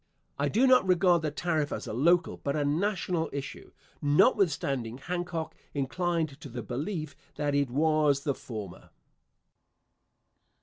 I do not regard the tariff as a local, but a national issue, notwithstanding Hancock inclined to the belief that it was the former.